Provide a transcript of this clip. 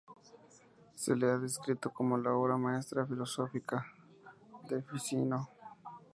Se la ha descrito como la obra maestra filosófica de Ficino.